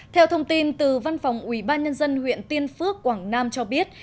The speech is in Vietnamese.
theo thông tin từ văn phòng ủy ban nhân dân huyện tiên phước quảng nam cho biết